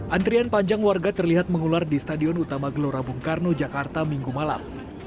antrian panjang warga terlihat mengular di stadion utama gelora bung karno jakarta minggu malam